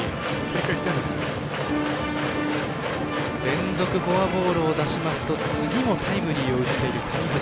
連続フォアボールを出しますと次もタイムリーを打っている、谷藤。